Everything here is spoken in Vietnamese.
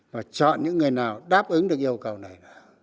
và chọn những người nào đáp ứng được yêu cầu này